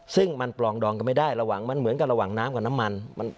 ซึ่งมันปลองดองกันไม่ได้ระหว่างมันเหมือนกับระหว่างน้ำกับน้ำมัน